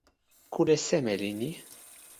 kule seme li ni?